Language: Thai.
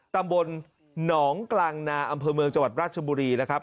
ตำบลหนองกลางนาอำเภอเมืองจังหวัดราชบุรีนะครับ